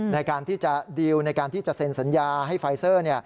ในการที่จะดีลในการที่จะเซ็นสัญญาให้ไฟเซอร์